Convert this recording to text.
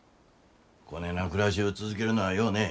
こねえな暮らしゅう続けるなあようねえ。